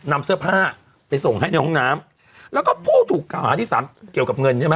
นำเสื้อผ้าไปส่งให้ในห้องน้ำแล้วก็ผู้ถูกเก่าหาที่สามเกี่ยวกับเงินใช่ไหม